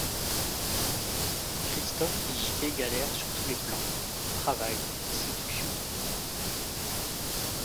Christophe et J-P galèrent sur tous les plans, travail, séduction...